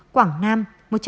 quảng nam một trăm năm mươi năm